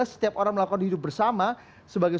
setiap orang melakukan hidup bersama sebagai